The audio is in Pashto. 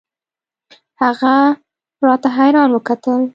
هغه راته حيران وکتل.